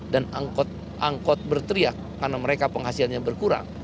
dan angkot angkot berteriak karena mereka penghasilannya berkurang